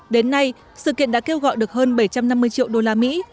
đến nay sự kiện đã kêu gọi được hơn bảy trăm năm mươi triệu đô la mỹ